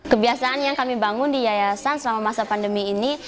kebiasaan yang kami bangun di yayasan selama masa pandemi ini